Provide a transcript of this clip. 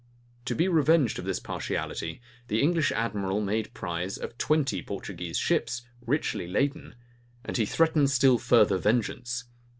To be revenged of this partiality, the English admiral made prize of twenty Portuguese ships, richly laden; and he threatened still further vengeance.